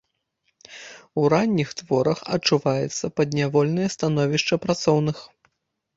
У ранніх творах адчуваецца паднявольнае становішча працоўных.